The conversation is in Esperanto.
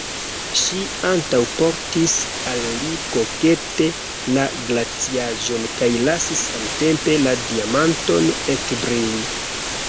Ŝi antaŭportis al li kokete la glaciaĵon kaj lasis samtempe la diamanton ekbrili.